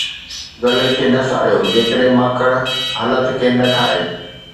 گلي کي ساڙيو جيڪڏهن ماڪڙ هلت کي نه کائي